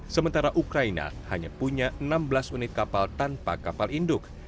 sementara ukraina hanya punya enam belas unit kapal tanpa kapal induk